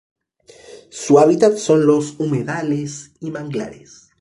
Su hábitat son los humedales y manglares.